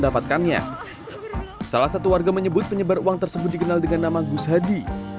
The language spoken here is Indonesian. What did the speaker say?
penyebar uang tersebut dikenal dengan nama gus hadi